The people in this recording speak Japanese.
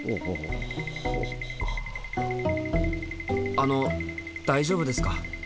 あの大丈夫ですか？